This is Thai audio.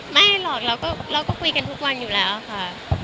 ไม่หรอกเราก็คุยกันทุกวันอยู่แล้วค่ะ